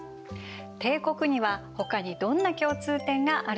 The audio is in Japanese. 帝国にはほかにどんな共通点があるでしょう？